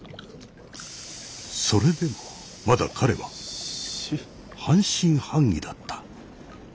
それでもまだ彼は半信半疑だった。